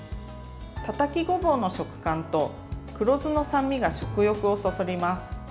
たたきごぼうの食感と黒酢の酸味が食欲をそそります。